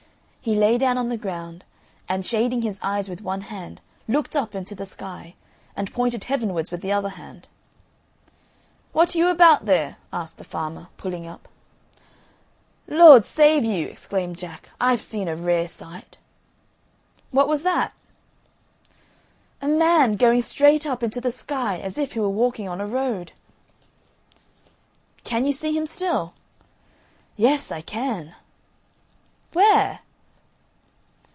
He lay down on the ground, and shading his eyes with one hand, looked up into the sky, and pointed heavenwards with the other hand. "What are you about there?" asked the farmer, pulling up. "Lord save you!" exclaimed Jack: "I've seen a rare sight." "What was that?" "A man going straight up into the sky, as if he were walking on a road." "Can you see him still?" "Yes, I can." "Where?"